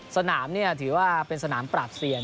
สนามเนี่ยถือว่าเป็นสนามปรับเศียร